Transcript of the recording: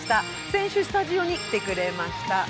先週スタジオに来てくれました